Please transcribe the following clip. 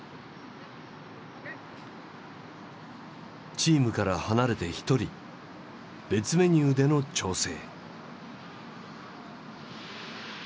チームから離れて一人別メニューでの調整。